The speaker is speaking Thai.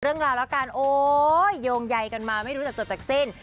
เรื่องราวแล้วกันโอ๊ยโยงใยกันมาไม่รู้จักจดจากสิ้น